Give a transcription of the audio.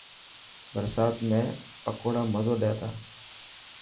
برستا ۾ پڪوڙا مزو ڏي تا.